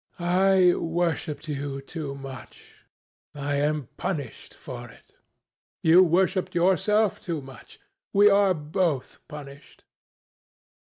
I worshipped you too much. I am punished for it. You worshipped yourself too much. We are both punished."